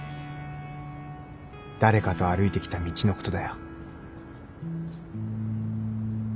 誰かと歩いてきた道のことだよ。